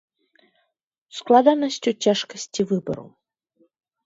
Складанасць у цяжкасці выбару.